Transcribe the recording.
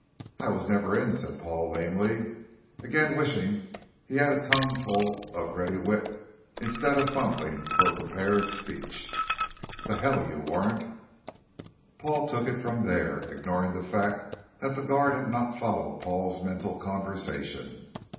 "I was never in," said Paul lamely, again wishing he had a tongue full of ready wit instead of fumbling for a prepared speech. "The hell you weren't." Paul took it from there, ignoring the fact that the guard had not followed Paul's mental conversation.